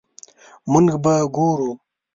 مونږ به ګورو